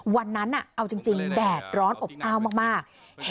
วันนั้นเอาจริงแดดร้อนอบอ้าวมาก